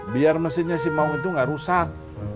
biar mesinnya si maung itu nggak rusak